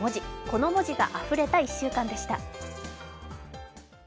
この文字があふれた１週間でした。